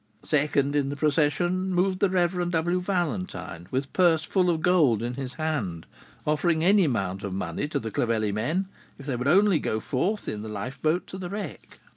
Second in the procession moved the Rev. W. Valentine, with purse full of gold in his hand, offering any amount of money to the Clovelly men, if they would only go forth in the lifeboat to the wreck.